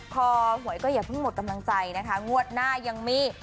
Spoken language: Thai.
พอหวยก็อย่าเพิ่งหมดกำลังใจนะคะงวดหน้ายังมี